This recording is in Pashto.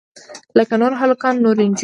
لکه نور هلکان نورې نجونې.